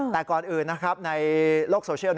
แต่ก่อนอื่นนะครับในโลกโซเชียล